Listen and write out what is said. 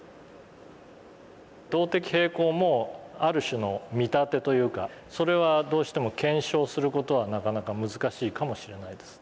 動的平衡もある種の見立てというかそれはどうしても検証する事はなかなか難しいかもしれないです。